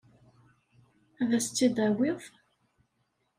Ad as-tt-id-tawiḍ?